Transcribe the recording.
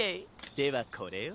ではこれを。